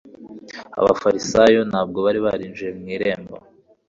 Abafarisayo ntabwo bari barinjiriye mu irembo.